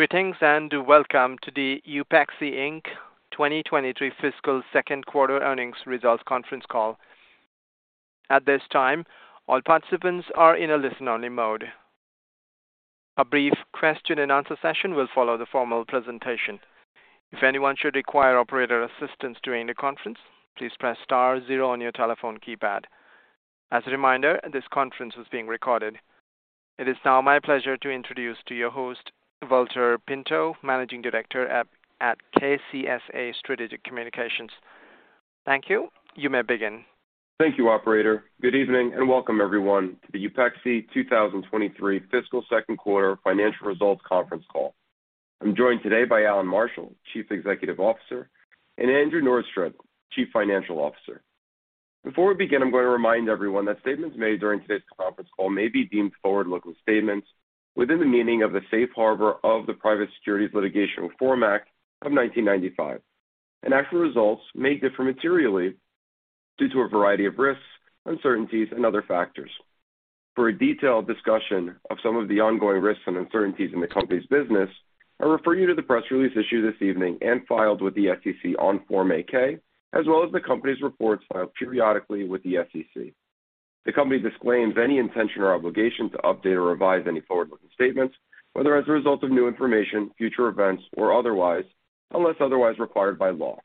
Greetings, welcome to the UPEXI Inc. 2023 fiscal Q2 earnings results conference call. At this time, all participants are in a listen-only mode. A brief question and answer session will follow the formal presentation. If anyone should require operator assistance during the conference, please press star zero on your telephone keypad. As a reminder, this conference is being recorded. It is now my pleasure to introduce to you your host, Valter Pinto, Managing Director at KCSA Strategic Communications. Thank you. You may begin. Thank you, operator. Good evening, welcome everyone to the Upexi 2023 fiscal Q2 financial results conference call. I'm joined today by Allan Marshall, Chief Executive Officer, and Andrew Norstrud, Chief Financial Officer. Before we begin, I'm gonna remind everyone that statements made during today's conference call may be deemed forward-looking statements within the meaning of the safe harbor of the Private Securities Litigation Reform Act of 1995, actual results may differ materially due to a variety of risks, uncertainties, and other factors. For a detailed discussion of some of the ongoing risks and uncertainties in the company's business, I refer you to the press release issued this evening and filed with the SEC on Form 8-K, as well as the company's reports filed periodically with the SEC. The company disclaims any intention or obligation to update or revise any forward-looking statements, whether as a result of new information, future events, or otherwise, unless otherwise required by law.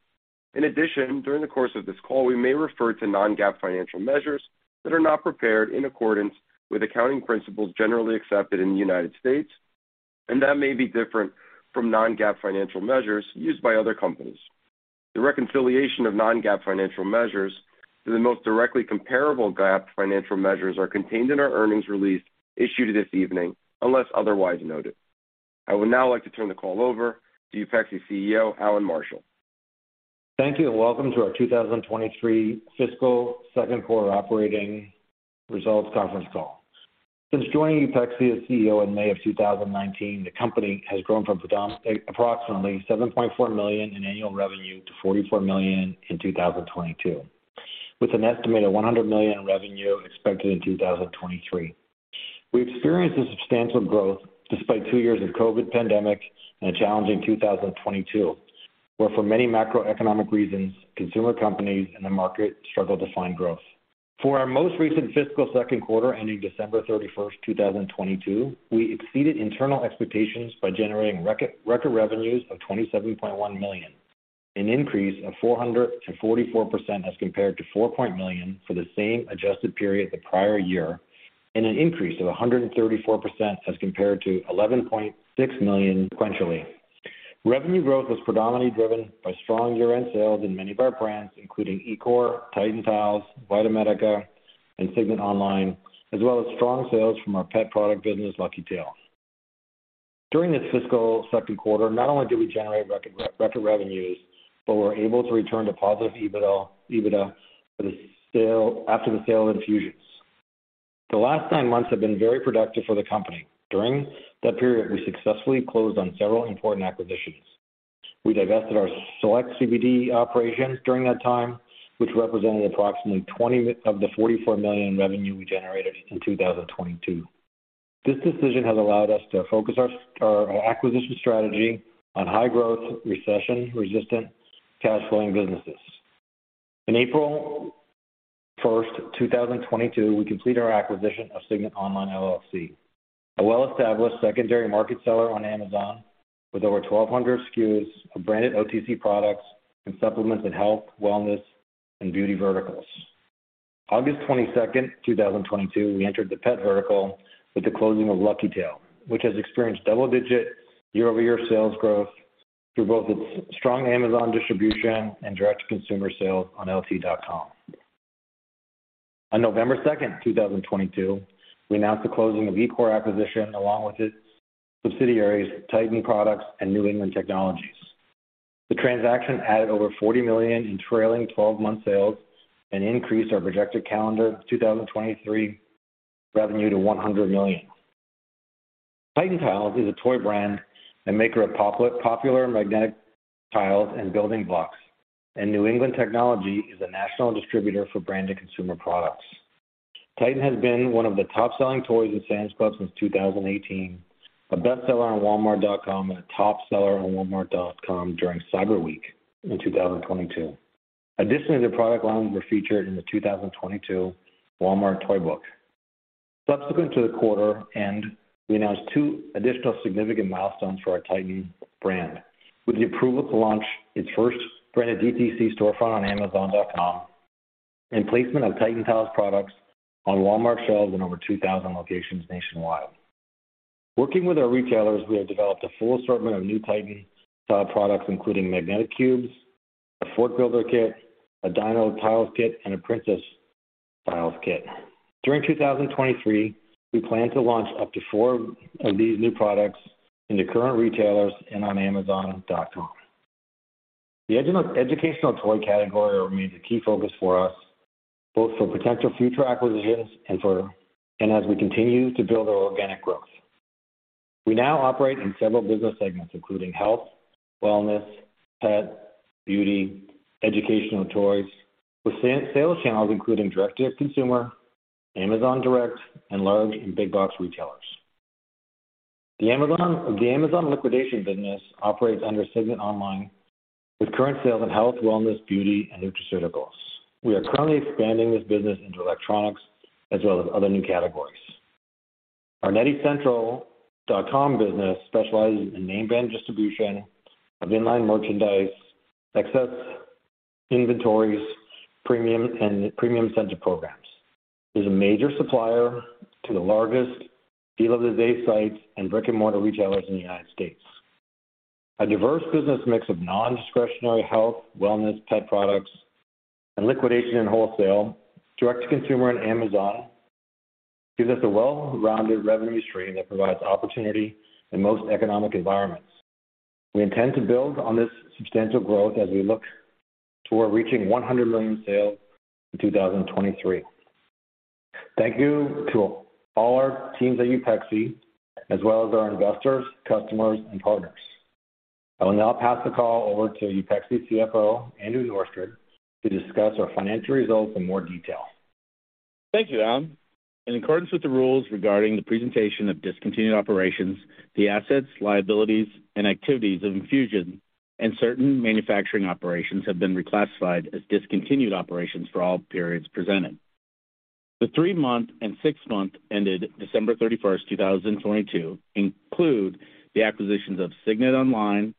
In addition, during the course of this call, we may refer to non-GAAP financial measures that are not prepared in accordance with accounting principles generally accepted in the United States and that may be different from non-GAAP financial measures used by other companies. The reconciliation of non-GAAP financial measures to the most directly comparable GAAP financial measures are contained in our earnings release issued this evening, unless otherwise noted. I would now like to turn the call over to UPEXI CEO, Allan Marshall. Thank you. Welcome to our 2023 fiscal Q2 operating results conference call. Since joining Upexi as CEO in May of 2019, the company has grown from approximately $7.4 million in annual revenue to $44 million in 2022, with an estimated $100 million in revenue expected in 2023. We experienced substantial growth despite two years of COVID pandemic and a challenging 2022, where for many macroeconomic reasons, consumer companies and the market struggled to find growth. For our most recent fiscal Q2 ending December 31st, 2022, we exceeded internal expectations by generating record revenues of $27.1 million, an increase of 444% as compared to $4.9 Million for the same adjusted period the prior year, and an increase of 134% as compared to $11.6 million sequentially. Revenue growth was predominantly driven by strong year-end sales in many of our brands, including eCore, Tytan Tiles, VitaMedica, and Signet Online, as well as strong sales from our pet product business, LuckyTail. During this fiscal Q2, not only did we generate record revenues, but we're able to return to positive EBITDA after the sale of Infusions. The last 9 months have been very productive for the company. During that period, we successfully closed on several important acquisitions. We divested our select CBD operations during that time, which represented approximately 20 of the $44 million in revenue we generated in 2022. This decision has allowed us to focus our acquisition strategy on high growth, recession-resistant, cash flowing businesses. April 1st, 2022, we completed our acquisition of Signet Online LLC, a well-established secondary market seller on Amazon with over 1,200 SKUs of branded OTC products and supplements in health, wellness, and beauty verticals. August 22nd, 2022, we entered the pet vertical with the closing of LuckyTail, which has experienced double-digit year-over-year sales growth through both its strong Amazon distribution and direct-to-consumer sales on lt.com. November 2nd, 2022, we announced the closing of eCore acquisition along with its subsidiaries, Tytan Products and New England Technology. The transaction added over $40 million in trailing twelve-month sales and increased our projected calendar 2023 revenue to $100 million. Tytan Tiles is a toy brand and maker of popular magnetic tiles and building blocks, and New England Technology is a national distributor for brand and consumer products. Tytan has been one of the top-selling toys in Sam's Club since 2018, a bestseller on Walmart.com, and a top seller on Walmart.com during Cyber Week in 2022. The product line were featured in the 2022 Walmart toy book. Subsequent to the quarter end, we announced two additional significant milestones for our Tytan brand. With the approval to launch its first branded DTC storefront on Amazon.com and placement of Tytan Tiles products on Walmart shelves in over 2,000 locations nationwide. Working with our retailers, we have developed a full assortment of new Tytan Tiles products, including magnetic cubes, a fort builder kit, a dino tiles kit, and a princess tiles kit. During 2023, we plan to launch up to four of these new products into current retailers and on Amazon.com. The educational toy category remains a key focus for us, both for potential future acquisitions and as we continue to build our organic growth. We now operate in several business segments, including health, wellness, pet, beauty, educational toys, with sales channels including direct-to-consumer, Amazon Direct and large and big box retailers. The Amazon liquidation business operates under Signet Online with current sales in health, wellness, beauty and nutraceuticals. We are currently expanding this business into electronics as well as other new categories. Our netcentral.com business specializes in name brand distribution of in-line merchandise, excess inventories, premium and premium center programs. It is a major supplier to the largest deal of the day sites and brick and mortar retailers in the United States. A diverse business mix of non-discretionary health, wellness type products and liquidation and wholesale, Direct-to-Consumer and Amazon gives us a well-rounded revenue stream that provides opportunity in most economic environments. We intend to build on this substantial growth as we look toward reaching $100 million sales in 2023. Thank you to all our teams at UPEXI as well as our investors, customers and partners. I will now pass the call over to UPEXI CFO, Andrew Norstrud, to discuss our financial results in more detail. Thank you, Allan. In accordance with the rules regarding the presentation of discontinued operations, the assets, liabilities and activities of Infusions and certain manufacturing operations have been reclassified as discontinued operations for all periods presented. The 3-month and 6-month ended December 31, 2022 include the acquisitions of Signet Online,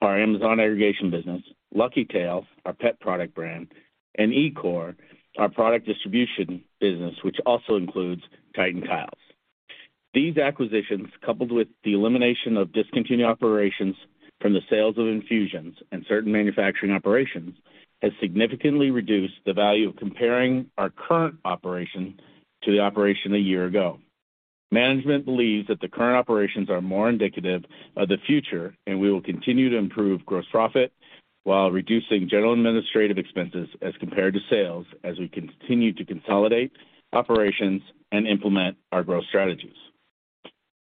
our Amazon aggregation business, LuckyTail, our pet product brand, and eCore, our product distribution business, which also includes Tytan Tiles. These acquisitions, coupled with the elimination of discontinued operations from the sales of Infusions and certain manufacturing operations, has significantly reduced the value of comparing our current operation to the operation a year ago. Management believes that the current operations are more indicative of the future, and we will continue to improve gross profit while reducing general and administrative expenses as compared to sales as we continue to consolidate operations and implement our growth strategies.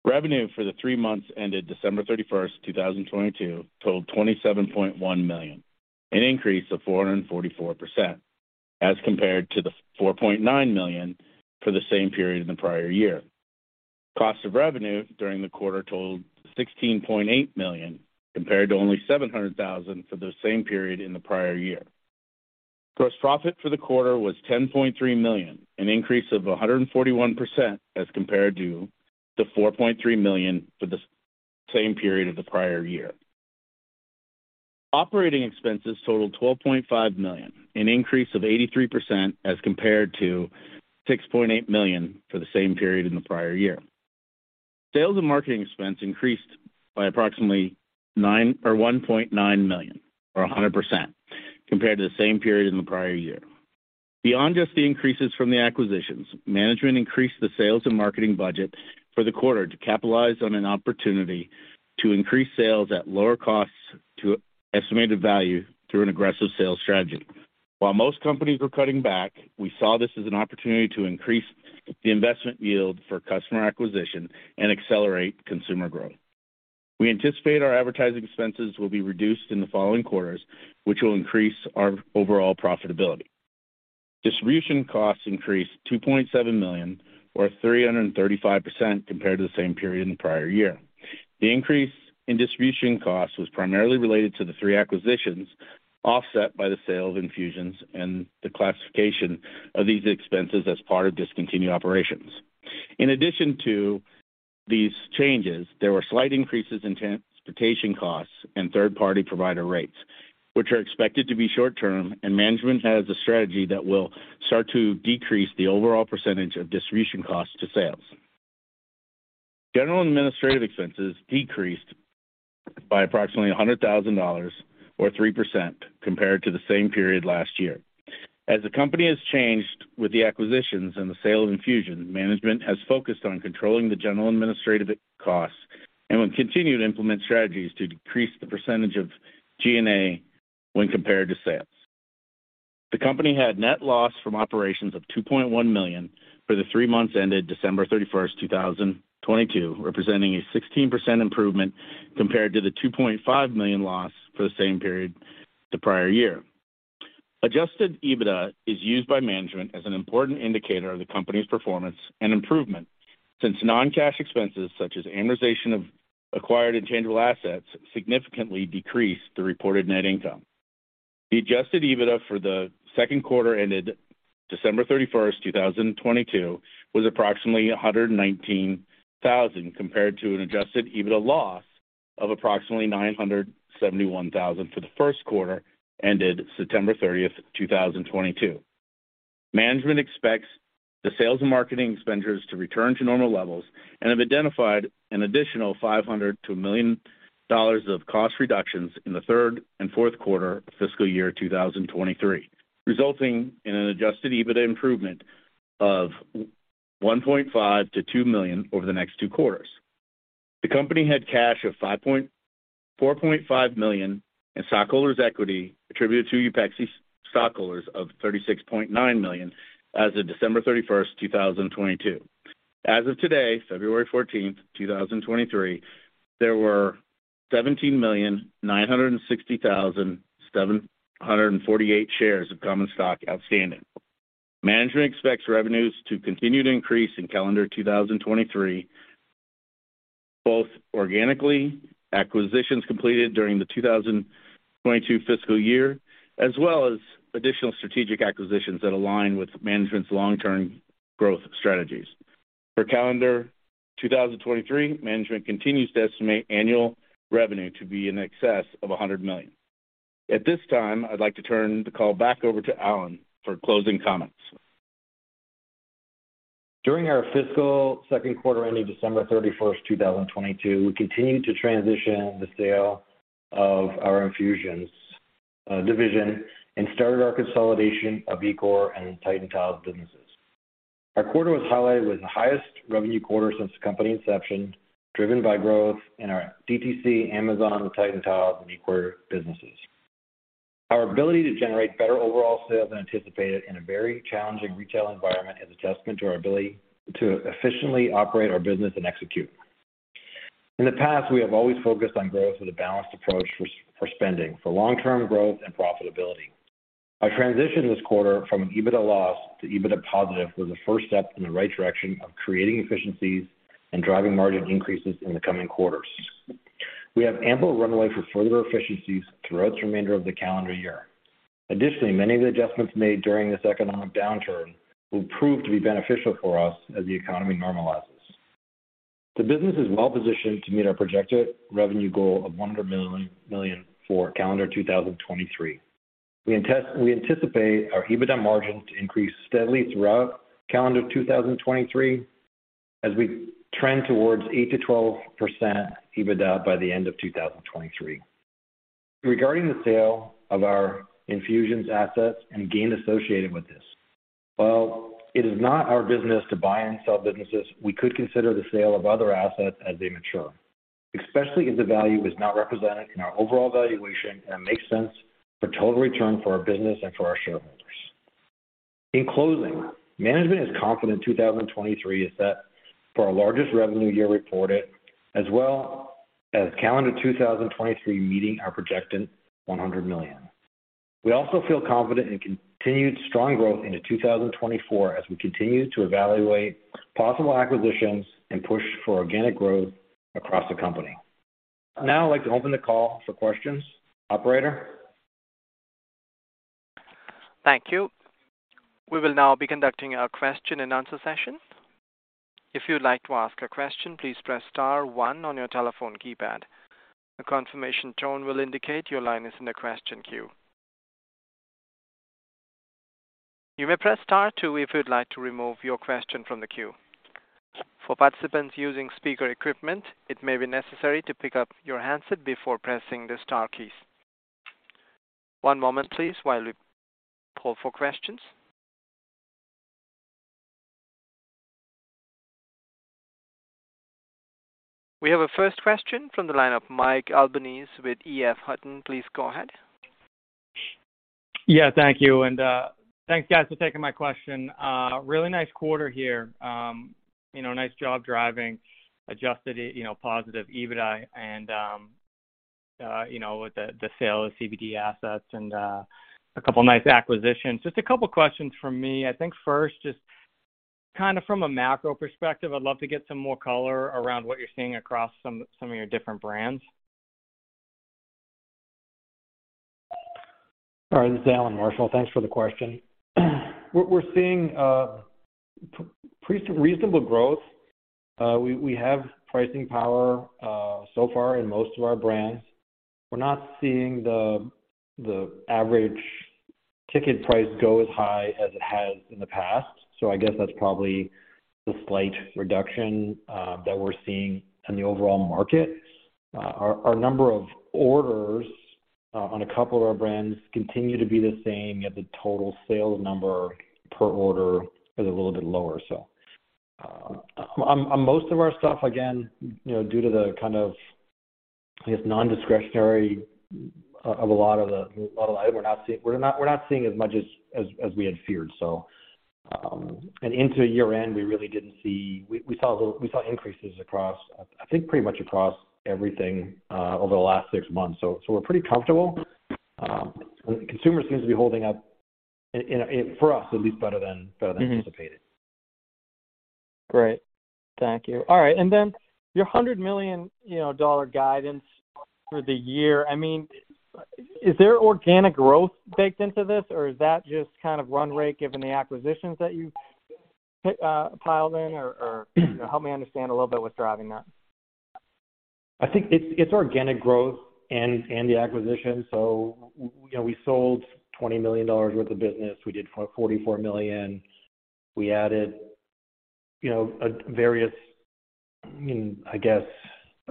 Revenue for the three months ended December 31, 2022 totaled $27.1 million, an increase of 444% as compared to the $4.9 million for the same period in the prior year. Cost of revenue during the quarter totaled $16.8 million, compared to only $700,000 for the same period in the prior year. Gross profit for the quarter was $10.3 million, an increase of 141% as compared to the $4.3 million for the same period of the prior year. Operating expenses totaled $12.5 million, an increase of 83% as compared to $6.8 million for the same period in the prior year. Sales and marketing expense increased by approximately nine or $1.9 million or 100% compared to the same period in the prior year. Beyond just the increases from the acquisitions, management increased the sales and marketing budget for the quarter to capitalize on an opportunity to increase sales at lower costs to estimated value through an aggressive sales strategy. While most companies were cutting back, we saw this as an opportunity to increase the investment yield for customer acquisition and accelerate consumer growth. We anticipate our advertising expenses will be reduced in the following quarters, which will increase our overall profitability. Distribution costs increased $2.7 million or 335% compared to the same period in the prior year. The increase in distribution costs was primarily related to the three acquisitions, offset by the sale of Infusions and the classification of these expenses as part of discontinued operations. In addition to these changes, there were slight increases in transportation costs and third-party provider rates, which are expected to be short-term and management has a strategy that will start to decrease the overall % of distribution costs to sales. General and administrative expenses decreased by approximately $100,000 or 3% compared to the same period last year. As the company has changed with the acquisitions and the sale of Infusions, management has focused on controlling the general and administrative costs and will continue to implement strategies to decrease the % of G&A when compared to sales. The company had net loss from operations of $2.1 million for the three months ended December 31st, 2022, representing a 16% improvement compared to the $2.5 million loss for the same period the prior year. Adjusted EBITDA is used by management as an important indicator of the company's performance and improvement, since non-cash expenses such as amortization of acquired intangible assets significantly decrease the reported net income. The Adjusted EBITDA for the Q2 ended December 31st, 2022 was approximately $119,000, compared to an Adjusted EBITDA loss of approximately $971,000 for the Q1 ended September 30th, 2022. Management expects the sales and marketing expenditures to return to normal levels and have identified an additional $500,000-$1 million of cost reductions in the third and Q4 of fiscal year 2023, resulting in an Adjusted EBITDA improvement of $1.5 million-$2 million over the next two quarters. The company had cash of $4.5 million and stockholders' equity attributed to UPEXI stockholders of $36.9 million as of December 31, 2022. As of today, February 14, 2023, there were 17,960,748 shares of common stock outstanding. Management expects revenues to continue to increase in calendar 2023, both organically, acquisitions completed during the 2022 fiscal year, as well as additional strategic acquisitions that align with management's long-term growth strategies. For calendar 2023, management continues to estimate annual revenue to be in excess of $100 million. At this time, I'd like to turn the call back over to Allan for closing comments. During our fiscal Q2 ending December 31st, 2022, we continued to transition the sale of our Infusions division and started our consolidation of eCore and Tytan Tiles businesses. Our quarter was highlighted with the highest revenue quarter since the company inception, driven by growth in our DTC, Amazon, Tytan Tile, and eCore businesses. Our ability to generate better overall sales than anticipated in a very challenging retail environment is a testament to our ability to efficiently operate our business and execute. In the past, we have always focused on growth with a balanced approach for spending for long-term growth and profitability. Our transition this quarter from an EBITDA loss to EBITDA positive was the first step in the right direction of creating efficiencies and driving margin increases in the coming quarters. We have ample runway for further efficiencies throughout the remainder of the calendar year. Additionally, many of the adjustments made during this economic downturn will prove to be beneficial for us as the economy normalizes. The business is well-positioned to meet our projected revenue goal of $100 million for calendar 2023. We anticipate our EBITDA margin to increase steadily throughout calendar 2023 as we trend towards 8%-12% EBITDA by the end of 2023. Regarding the sale of our Infusions assets and gain associated with this, while it is not our business to buy and sell businesses, we could consider the sale of other assets as they mature, especially if the value is not represented in our overall valuation and makes sense for total return for our business and for our shareholders. In closing, management is confident 2023 is set for our largest revenue year reported, as well as calendar 2023 meeting our projected $100 million. We also feel confident in continued strong growth into 2024 as we continue to evaluate possible acquisitions and push for organic growth across the company. I'd like to open the call for questions. Operator? Thank you. We will now be conducting our question and answer session. If you'd like to ask a question, please press star one on your telephone keypad. A confirmation tone will indicate your line is in the question queue. You may press star two if you'd like to remove your question from the queue. For participants using speaker equipment, it may be necessary to pick up your handset before pressing the star keys. One moment please while we pull for questions. We have a first question from the line of Mike Albanese with EF Hutton. Please go ahead. Yeah, thank you, and thanks guys for taking my question. Really nice quarter here. You know, nice job driving, adjusted, you know, positive EBITDA and, you know, with the sale of CBD assets and a couple nice acquisitions. Just a couple questions from me. I think first, just kinda from a macro perspective, I'd love to get some more color around what you're seeing across some of your different brands. All right. This is Allan Marshall. Thanks for the question. We're seeing reasonable growth. We have pricing power so far in most of our brands. We're not seeing the average ticket price go as high as it has in the past. I guess that's probably the slight reduction that we're seeing in the overall market. Our number of orders on a couple of our brands continue to be the same, yet the total sales number per order is a little bit lower. Most of our stuff, again, you know, due to the kind of, I guess, non-discretionary of a lot of the items we're not seeing as much as we had feared. Into year-end, we saw increases across, I think, pretty much across everything over the last six months. We're pretty comfortable. Consumers seems to be holding up in a for us at least better than anticipated. Great. Thank you. All right. Then your $100 million, you know, guidance for the year, I mean, is there organic growth baked into this, or is that just kind of run rate given the acquisitions that you've piled in or help me understand a little bit what's driving that. I think it's organic growth and the acquisition. We, you know, we sold $20 million worth of business. We did for $44 million. We added, you know, various, I mean, I guess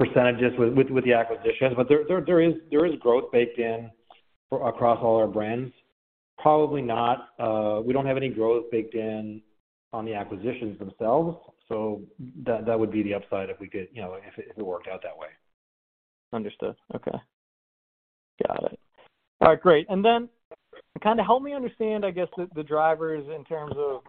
percentages with the acquisitions. There is growth baked in for across all our brands. Probably not, we don't have any growth baked in on the acquisitions themselves. That would be the upside if we could, you know, if it worked out that way. Understood. Okay. All right, great. Kind of help me understand, I guess, the drivers in terms of,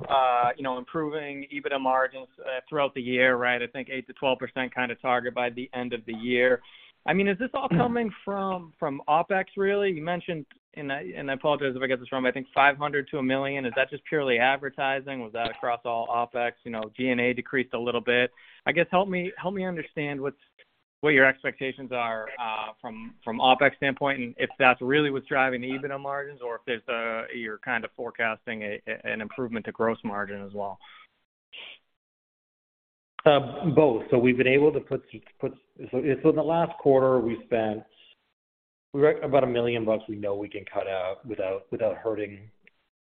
you know, improving EBITDA margins throughout the year, right? I think 8%-12% kinda target by the end of the year. I mean, is this all coming from OpEx really? You mentioned, and I, and I apologize if I get this wrong, I think $500-$1 million. Is that just purely advertising? Was that across all OpEx? You know, G&A decreased a little bit. I guess help me understand what your expectations are from OpEx standpoint, and if that's really what's driving the EBITDA margins or if there's, you're kinda forecasting an improvement to gross margin as well. Both. In the last quarter, we spent about $1 million we know we can cut out without hurting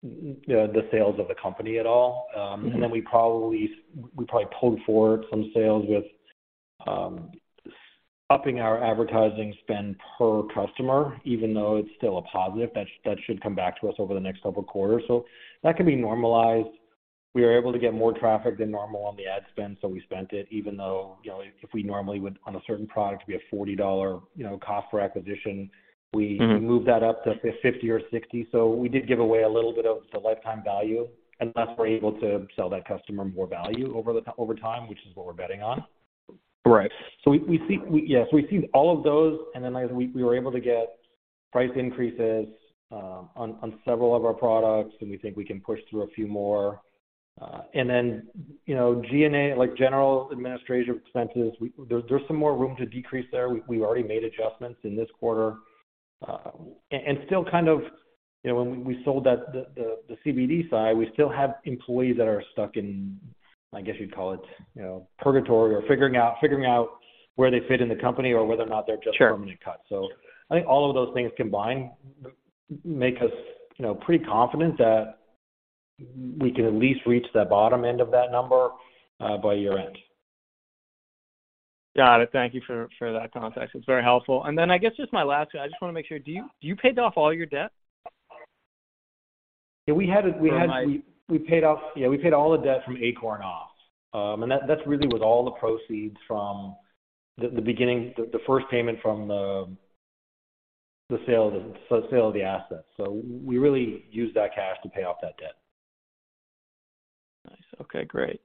the sales of the company at all. Mm-hmm. Then we probably pulled forward some sales with upping our advertising spend per customer, even though it's still a positive, that should come back to us over the next couple of quarters. That can be normalized. We are able to get more traffic than normal on the ad spend, so we spent it, even though, you know, if we normally would on a certain product, we have $40, you know, cost for acquisition. Mm-hmm. We moved that up to 50 or 60. We did give away a little bit of the lifetime value unless we're able to sell that customer more value over time, which is what we're betting on. Right. We see all of those, and then we were able to get price increases on several of our products, and we think we can push through a few more. Then, you know, G&A, like general administration expenses, there's some more room to decrease there. We've already made adjustments in this quarter. Still kind of, you know, when we sold that, the CBD side, we still have employees that are stuck in, I guess you'd call it, you know, purgatory or figuring out where they fit in the company or whether or not they're just. Sure. Permanent cuts. I think all of those things combined make us, you know, pretty confident that we can at least reach the bottom end of that number by year-end. Got it. Thank you for that context. It's very helpful. I guess just my last one, I just wanna make sure, do you paid off all your debt? Yeah, we. From my- Yeah, we paid all the debt from eCore off. That's really with all the proceeds from the beginning, the first payment from the sale of the assets. We really used that cash to pay off that debt. Nice. Okay, great.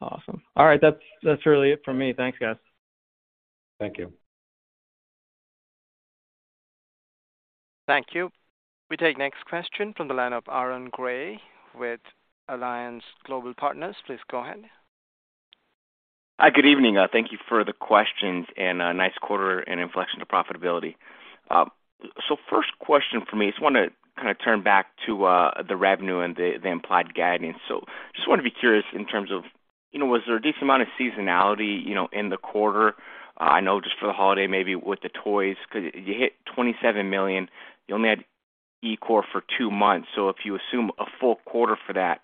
Awesome. All right. That's really it for me. Thanks, guys. Thank you. Thank you. We take next question from the line of Aaron Grey with Alliance Global Partners. Please go ahead. Hi, good evening. Thank you for the questions and a nice quarter and inflection to profitability. First question for me, I just wanna kinda turn back to the revenue and the implied guidance. Just wanna be curious in terms of, you know, was there a decent amount of seasonality, you know, in the quarter? I know just for the holiday, maybe with the toys, 'cause you hit $27 million. You only had eCore for two months. If you assume a full quarter for that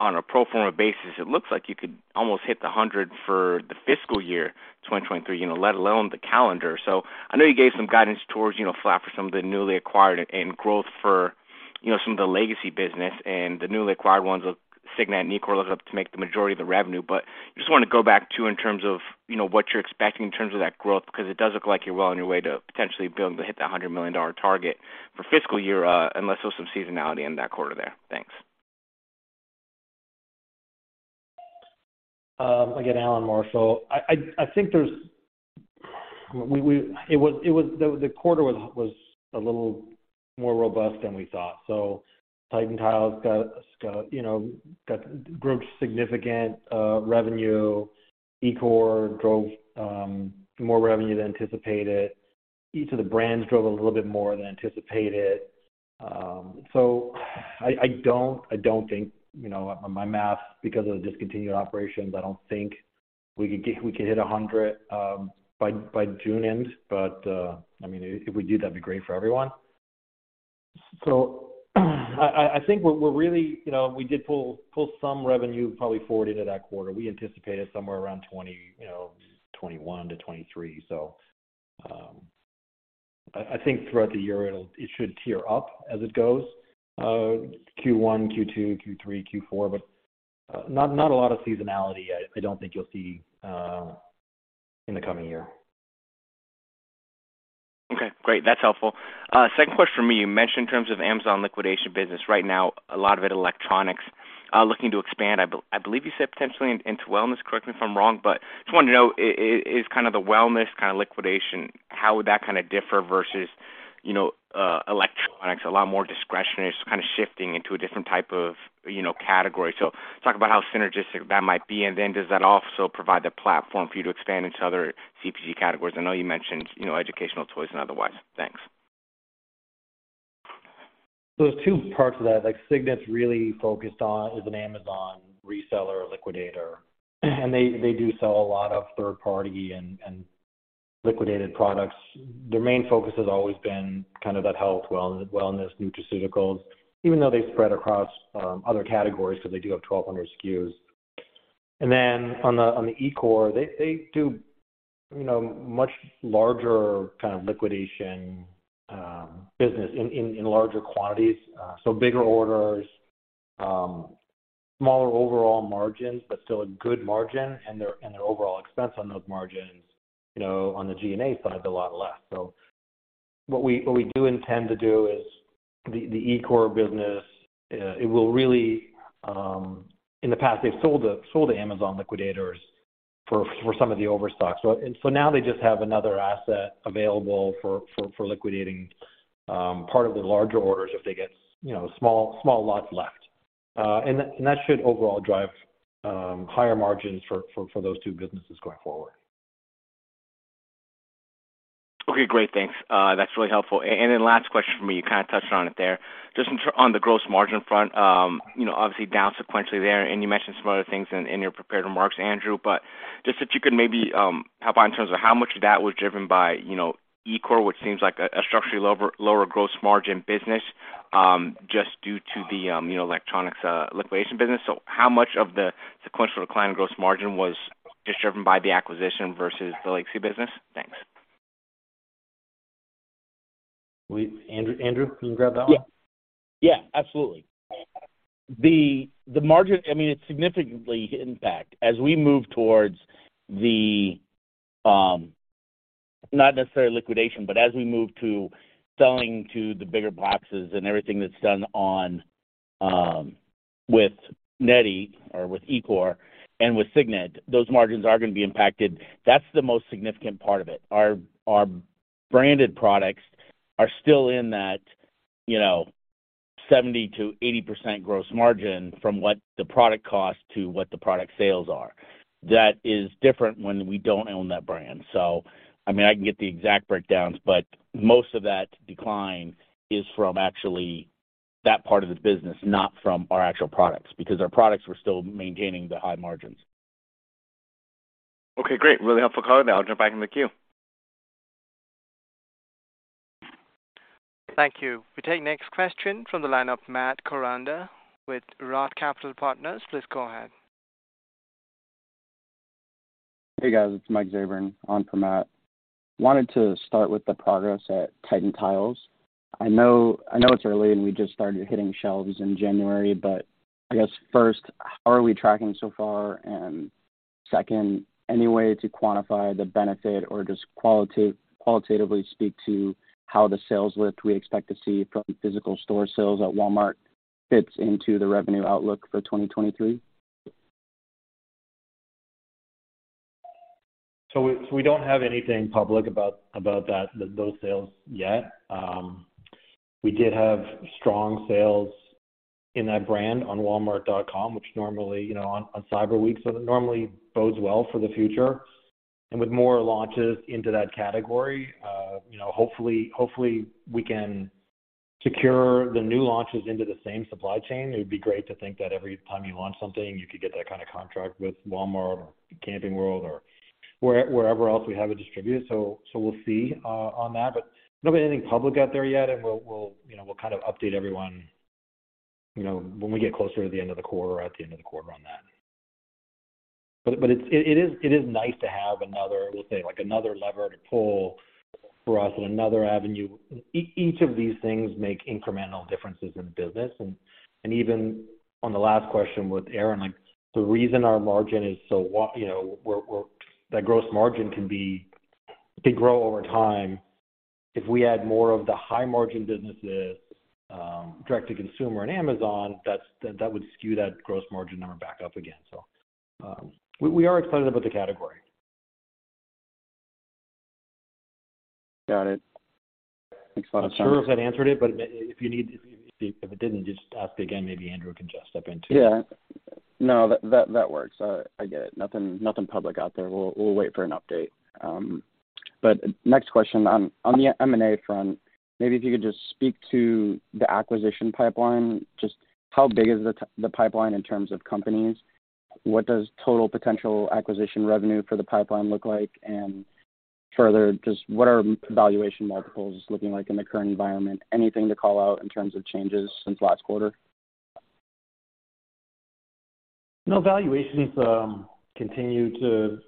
on a pro forma basis, it looks like you could almost hit the $100 for the fiscal year 2023, you know, let alone the calendar. I know you gave some guidance towards, you know, flat for some of the newly acquired and growth for, you know, some of the legacy business and the newly acquired ones with Signet and eCore looking up to make the majority of the revenue. Just wanna go back to in terms of, you know, what you're expecting in terms of that growth, because it does look like you're well on your way to potentially being able to hit the $100 million target for fiscal year, unless there's some seasonality in that quarter there. Thanks. Again, Allan Marshall. The quarter was a little more robust than we thought. Tytan Tile's got, you know, grew significant revenue. eCore drove more revenue than anticipated. Each of the brands drove a little bit more than anticipated. I don't think, you know, my math because of the discontinued operations, I don't think we could hit $100 million by June end. I mean, if we do, that'd be great for everyone. I think what we're really, you know, we did pull some revenue probably forward into that quarter. We anticipated somewhere around $20 million, you know, $21 million-$23 million. I think throughout the year, it should tier up as it goes, Q1, Q2, Q3, Q4, but not a lot of seasonality I don't think you'll see in the coming year. Great. That's helpful. Second question for me. You mentioned in terms of Amazon liquidation business, right now a lot of it electronics, looking to expand. I believe you said potentially into wellness, correct me if I'm wrong, but just wanted to know is kind of the wellness kinda liquidation, how would that kinda differ versus, you know, electronics, a lot more discretionary, just kinda shifting into a different type of, you know, category? Just talk about how synergistic that might be, and then does that also provide the platform for you to expand into other CPG categories? I know you mentioned, you know, educational toys and otherwise. Thanks. There's two parts of that. Like Signet's really focused on as an Amazon reseller liquidator, and they do sell a lot of third-party and liquidated products. Their main focus has always been kind of that health, wellness nutraceuticals, even though they spread across other categories 'cause they do have 1,200 SKUs. On the eCore, they do, you know, much larger kind of liquidation business in larger quantities, so bigger orders. Smaller overall margins, but still a good margin, and their overall expense on those margins, you know, on the G&A side is a lot less. What we do intend to do is the eCore business, it will really. In the past, they've sold to Amazon liquidators for some of the overstock. Now they just have another asset available for liquidating, part of the larger orders if they get, you know, small lots left. That should overall drive, higher margins for those two businesses going forward. Okay, great. Thanks. That's really helpful. Then last question for me, you kind of touched on it there. Just on the gross margin front, you know, obviously down sequentially there, and you mentioned some other things in your prepared remarks, Andrew, but just if you could maybe help out in terms of how much of that was driven by, you know, eCore, which seems like a structurally lower gross margin business, just due to the, you know, electronics liquidation business. How much of the sequential decline in gross margin was just driven by the acquisition versus the legacy business? Thanks. Andrew, can you grab that one? Yeah. Yeah, absolutely. The margin, I mean, it's significantly impact. As we move towards the not necessarily liquidation, but as we move to selling to the bigger boxes and everything that's done on with NET or with eCore and with Signet, those margins are gonna be impacted. That's the most significant part of it. Our branded products are still in that, you know, 70%-80% gross margin from what the product costs to what the product sales are. That is different when we don't own that brand. I mean, I can get the exact breakdowns, but most of that decline is from actually that part of the business, not from our actual products, because our products, we're still maintaining the high margins. Okay, great. Really helpful color. Now I'll jump back in the queue. Thank you. We take next question from the line of Matt Koranda with ROTH Capital Partners. Please go ahead. Hey, guys. It's Mike Zayburn on for Matt. Wanted to start with the progress at Tytan Tiles. I know it's early, and we just started hitting shelves in January, I guess first, how are we tracking so far? Second, any way to quantify the benefit or just qualitatively speak to how the sales lift we expect to see from physical store sales at Walmart fits into the revenue outlook for 2023? We don't have anything public about those sales yet. We did have strong sales in that brand on Walmart.com, which normally, you know, on Cyber Week, that normally bodes well for the future. With more launches into that category, you know, hopefully we can secure the new launches into the same supply chain. It would be great to think that every time you launch something, you could get that kind of contract with Walmart or Camping World or wherever else we have it distributed. We'll see on that. Don't have anything public out there yet, we'll, you know, kind of update everyone, you know, when we get closer to the end of the quarter or at the end of the quarter on that. But it is nice to have another, we'll say, like another lever to pull for us and another avenue. Each of these things make incremental differences in the business. Even on the last question with Aaron, like the reason our margin is so, you know, that gross margin can grow over time if we add more of the high margin businesses, Direct-to-Consumer and Amazon, that would skew that gross margin number back up again. We are excited about the category. Got it. Makes a lot of sense. Not sure if that answered it, but if it didn't, just ask again, maybe Andrew can just step in too. Yeah. No, that works. I get it. Nothing, nothing public out there. We'll wait for an update. Next question on the M&A front, maybe if you could just speak to the acquisition pipeline, just how big is the pipeline in terms of companies? What does total potential acquisition revenue for the pipeline look like? Further, just what are valuation multiples looking like in the current environment? Anything to call out in terms of changes since last quarter? No, valuations continue to,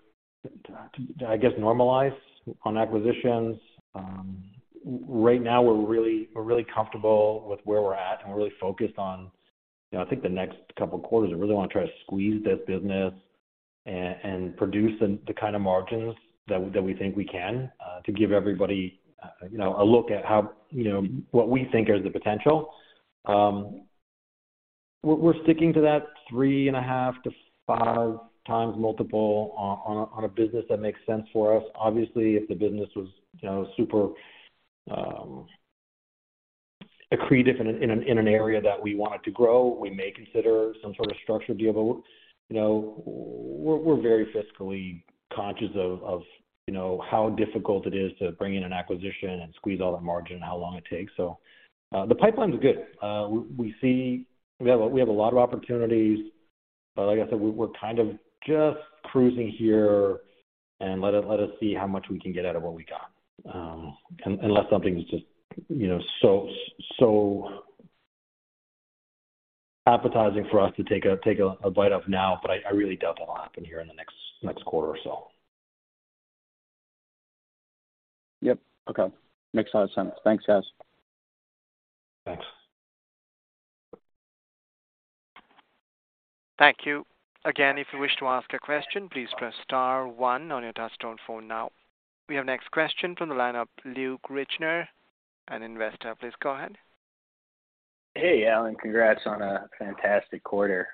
I guess, normalize on acquisitions. Right now we're really comfortable with where we're at, and we're really focused on, you know, I think the next couple of quarters, we really want to try to squeeze this business and produce the kind of margins that we think we can, to give everybody, you know, a look at how, you know, what we think is the potential. We're sticking to that 3.5-5x multiple on a business that makes sense for us. Obviously, if the business was, you know, super accretive in an area that we wanted to grow, we may consider some sort of structured deal. You know, we're very fiscally conscious of, you know, how difficult it is to bring in an acquisition and squeeze all the margin and how long it takes. The pipeline's good. We see we have a lot of opportunities, but like I said, we're kind of just cruising here and let us see how much we can get out of what we got. Unless something's just, you know, so appetizing for us to take a bite of now, but I really doubt that'll happen here in the next quarter or so. Yep. Okay. Makes a lot of sense. Thanks, guys. Thanks. Thank you. Again, if you wish to ask a question, please press star one on your touchtone phone now. We have next question from the line of Luc Richner, an investor. Please go ahead. Hey, Allan, congrats on a fantastic quarter.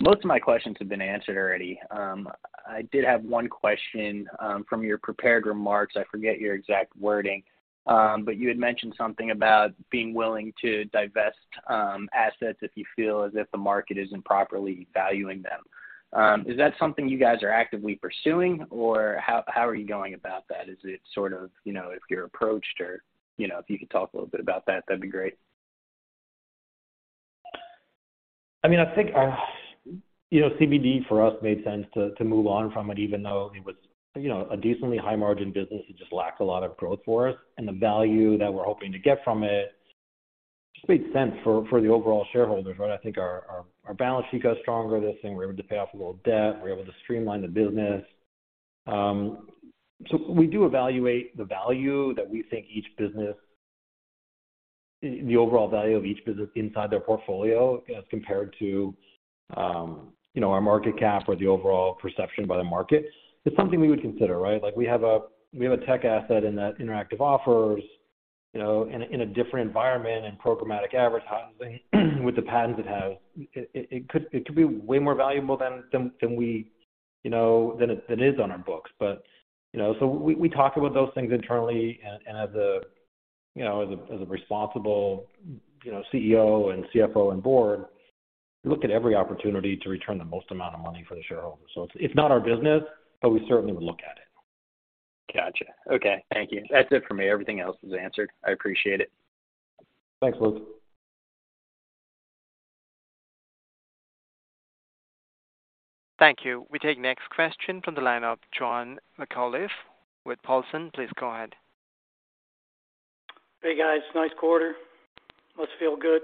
Most of my questions have been answered already. I did have one question, from your prepared remarks. I forget your exact wording, but you had mentioned something about being willing to divest assets if you feel as if the market isn't properly valuing them. Is that something you guys are actively pursuing or how are you going about that? Is it sort of, you know, if you're approached or, you know, if you could talk a little bit about that'd be great. I mean, I think, you know, CBD for us made sense to move on from it, even though it was, you know, a decently high margin business, it just lacked a lot of growth for us and the value that we're hoping to get from it just made sense for the overall shareholders, right. I think our balance sheet got stronger. This thing, we're able to pay off a little debt. We're able to streamline the business. We do evaluate the value that we think each business. The overall value of each business inside their portfolio as compared to, you know, our market cap or the overall perception by the market. It's something we would consider, right. We have a tech asset in that Interactive Offers, you know, in a different environment and programmatic advertising with the patent it has. It could be way more valuable than we, you know, than it is on our books. You know, we talk about those things internally and as a, you know, as a responsible, you know, CEO and CFO and board, we look at every opportunity to return the most amount of money for the shareholders. It's not our business, but we certainly would look at it. Gotcha. Okay. Thank you. That's it for me. Everything else was answered. I appreciate it. Thanks, Luke. Thank you. We take next question from the line of John McAuliffe with Paulson. Please go ahead. Hey, guys. Nice quarter. Must feel good.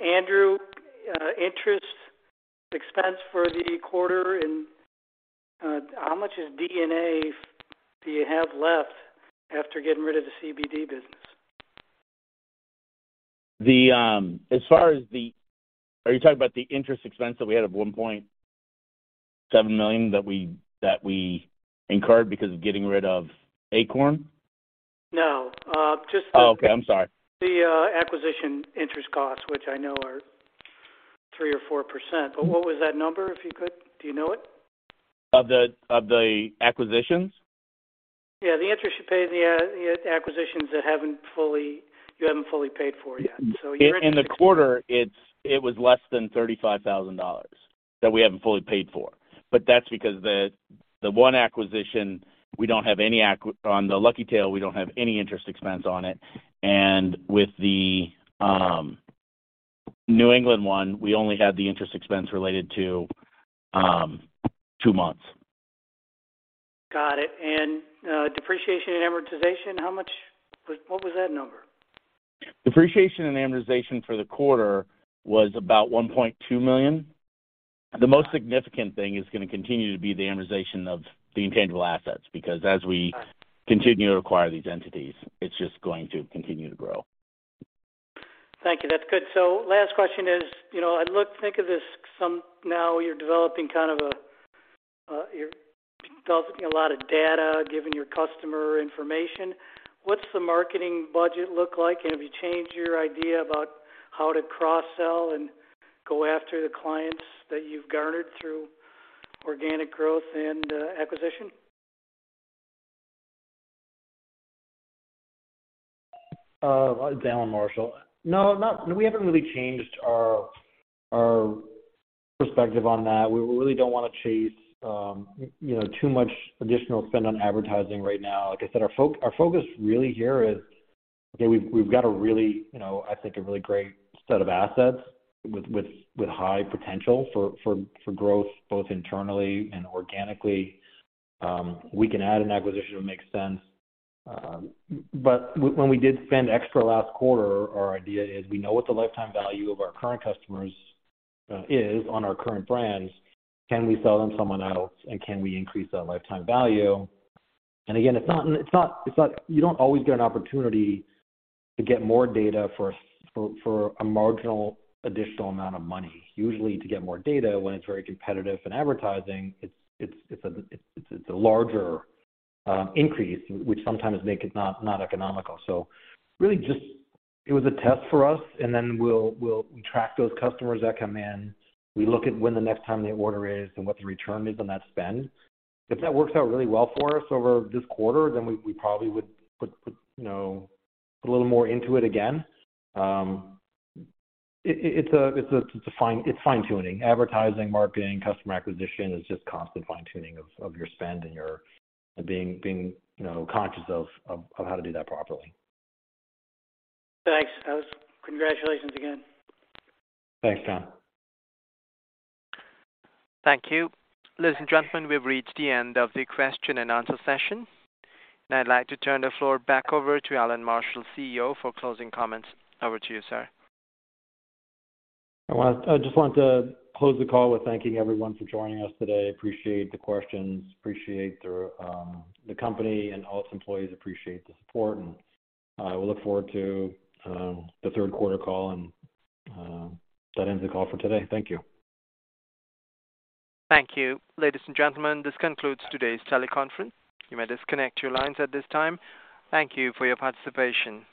Andrew, interest expense for the quarter and, how much of DTC do you have left after getting rid of the CBD business? Are you talking about the interest expense that we had of $1.7 million that we, that we incurred because of getting rid of Acorn? No. Oh, okay. I'm sorry. The acquisition interest costs, which I know are 3% or 4%. What was that number, if you could? Do you know it? Of the acquisitions? Yeah, the interest you pay in the acquisitions that you haven't fully paid for yet. In the quarter, it was less than $35,000 that we haven't fully paid for. That's because the one acquisition, On the LuckyTail, we don't have any interest expense on it. With the New England one, we only had the interest expense related to two months. Got it. Depreciation and amortization, what was that number? Depreciation and amortization for the quarter was about $1.2 million. The most significant thing is gonna continue to be the amortization of the intangible assets, because. All right. Continue to acquire these entities, it's just going to continue to grow. Thank you. That's good. Last question is, you know, I think of this some now you're developing kind of a, you're developing a lot of data, giving your customer information. What's the marketing budget look like? Have you changed your idea about how to cross-sell and go after the clients that you've garnered through organic growth and acquisition? It's Allan Marshall. No, we haven't really changed our perspective on that. We really don't wanna chase, you know, too much additional spend on advertising right now. Like I said, our focus really here is, you know, we've got a really, you know, I think a really great set of assets with high potential for growth both internally and organically. We can add an acquisition which makes sense. When we did spend extra last quarter, our idea is we know what the lifetime value of our current customers is on our current brands. Can we sell them someone else? Can we increase that lifetime value? Again, it's not, it's not, it's not. You don't always get an opportunity to get more data for a marginal additional amount of money. Usually to get more data when it's very competitive in advertising, it's a larger increase, which sometimes make it not economical. Really just it was a test for us and then we'll track those customers that come in. We look at when the next time the order is and what the return is on that spend. If that works out really well for us over this quarter, then we probably would put, you know, put a little more into it again. It's fine-tuning. Advertising, marketing, customer acquisition is just constant fine-tuning of your spend and your being, you know, conscious of how to do that properly. Thanks. Congratulations again. Thanks, John. Thank you. Ladies and gentlemen, we've reached the end of the question and answer session. I'd like to turn the floor back over to Allan Marshall, CEO, for closing comments. Over to you, sir. I just want to close the call with thanking everyone for joining us today. Appreciate the questions. Appreciate the company and all its employees. Appreciate the support. We look forward to the Q3 call. That ends the call for today. Thank you. Thank you. Ladies and gentlemen, this concludes today's teleconference. You may disconnect your lines at this time. Thank you for your participation.